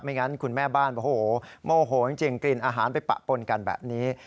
งั้นคุณแม่บ้านบอกโอ้โหโมโหจริงกลิ่นอาหารไปปะปนกันแบบนี้